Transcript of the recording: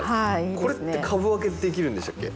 これって株分けできるんでしたっけ？